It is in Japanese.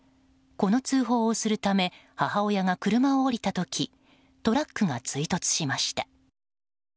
この通報をするため母親が車を降りたときトラックが追突しました。